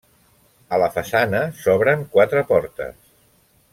A la façana s'obren quatre portes.